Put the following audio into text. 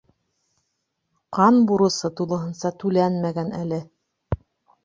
Ҡан бурысы тулыһынса түләнмәгән әле.